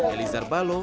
elisar balo belu